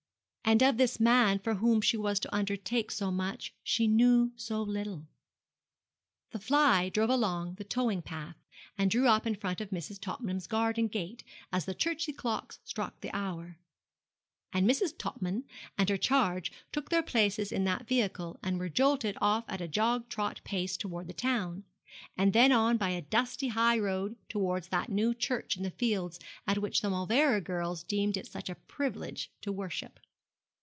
And of this man for whom she was to undertake so much she knew so little. The fly drove along the towing path, and drew up in front of Mrs. Topman's garden gate as the Chertsey clocks struck the hour, and Mrs. Topman and her charge took their places in that vehicle, and were jolted off at a jog trot pace towards the town, and then on by a dusty high road towards that new church in the fields at which the Mauleverer girls deemed it such a privilege to worship.